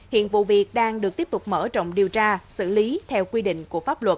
hiện vụ việc đang được tiếp tục mở rộng điều tra xử lý theo quy định của pháp luật